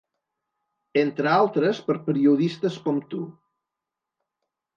Entre altres, per periodistes com tu.